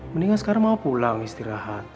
mendingan sekarang mau pulang istirahat